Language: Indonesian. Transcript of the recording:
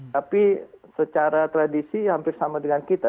tapi secara tradisi hampir sama dengan kita